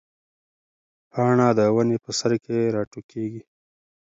پاڼه د ونې په سر کې راټوکېږي.